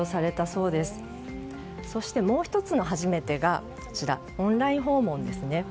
そして、もう１つの初めてがオンライン訪問ですね。